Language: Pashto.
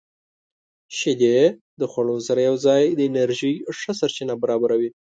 • شیدې د خوړو سره یوځای د انرژۍ ښه سرچینه برابروي.